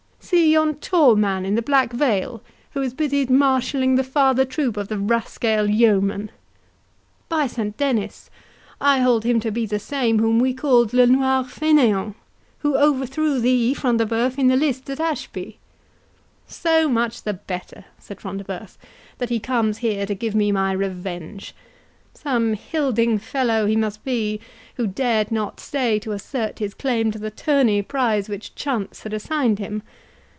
See yon tall man in the black mail, who is busied marshalling the farther troop of the rascaille yeomen—by Saint Dennis, I hold him to be the same whom we called 'Le Noir Faineant', who overthrew thee, Front de Bœuf, in the lists at Ashby." "So much the better," said Front de Bœuf, "that he comes here to give me my revenge. Some hilding fellow he must be, who dared not stay to assert his claim to the tourney prize which chance had assigned him.